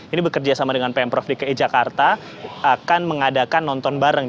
ini bekerja sama dengan pemprov dki jakarta akan mengadakan nonton bareng